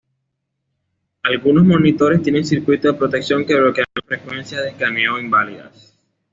Algunos monitores tienen circuitos de protección que bloquean las frecuencias de escaneo inválidas.